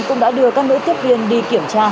cũng đã đưa các nữ tiếp viên đi kiểm tra